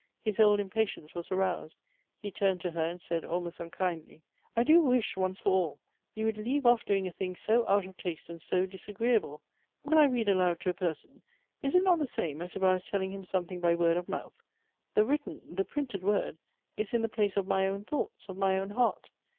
His old impatience was aroused ; he turned to her, and said, almost unkindly, " I do wish, once for all, you would leave off doing a thing so out of taste and so disagreeable. When I read aloud to a person, is it not the same as if I was telling him something by word or mouth? The written, the 36 Goethe's printed word, is in the place of my own thoughts, of my own heart.